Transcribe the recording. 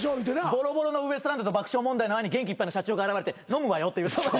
ボロボロのウエストランドと爆笑問題の前に元気いっぱいの社長が現れて飲むわよって。